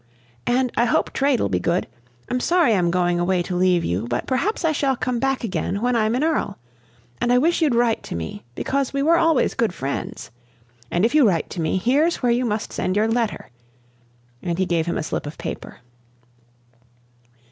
"And I hope trade'll be good. I'm sorry I'm going away to leave you, but perhaps I shall come back again when I'm an earl. And I wish you'd write to me, because we were always good friends. And if you write to me, here's where you must send your letter." And he gave him a slip of paper.